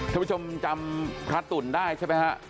ทุกผู้ชมจำพระตุ่นได้ใช่ไหมครับ